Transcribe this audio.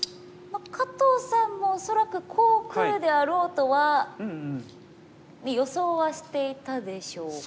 加藤さんも恐らくこうくるであろうとは予想はしていたでしょうから。